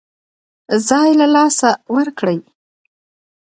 ځای له لاسه ورکړي.